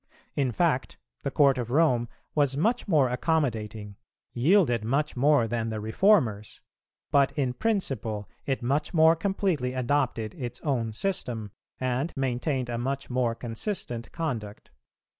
In fact, the Court of Rome was much more accommodating, yielded much more than the Reformers; but in principle it much more completely adopted its own system, and maintained a much more consistent conduct.